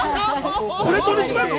これ取り締まるの？